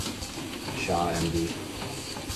Shah Md.